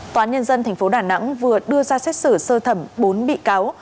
toán nhân dân tp đà nẵng vừa đưa ra xét xử sơ thẩm bốn bị cáo